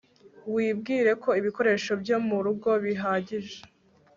wibwire ko ibikoresho byo mu rugo bihagije